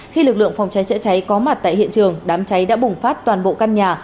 khi lực lượng phòng cháy chữa cháy có mặt tại hiện trường đám cháy đã bùng phát toàn bộ căn nhà